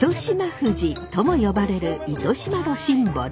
富士とも呼ばれる糸島のシンボル。